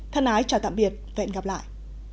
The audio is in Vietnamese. thân ái chào tạm biệt vẹn gặp lại